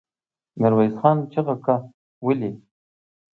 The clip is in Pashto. ميرويس خان چيغه کړه! ولې؟